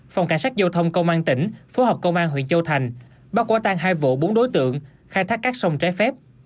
phòng cảnh sát giao thông công an tỉnh phố hợp công an huyện châu thành bắt quả tăng hai vộ bốn đối tượng khai thác cát sông trái phép